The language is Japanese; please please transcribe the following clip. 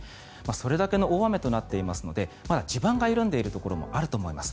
それだけの大雨となっていますのでまだ地盤が緩んでいるところもあると思います。